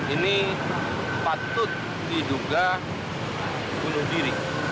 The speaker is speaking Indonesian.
ini patut diduga bunuh diri